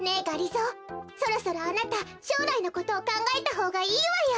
ぞーそろそろあなたしょうらいのことをかんがえたほうがいいわよ。